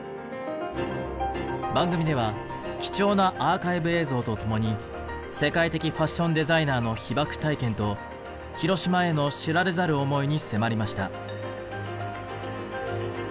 番組では貴重なアーカイブ映像と共に世界的ファッションデザイナーの被爆体験と広島への知られざる思いに迫りました。